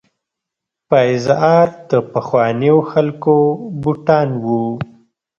پایزار د پخوانیو خلکو بوټان وو.